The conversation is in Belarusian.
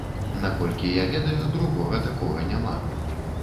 Наколькі я ведаю, другога такога няма.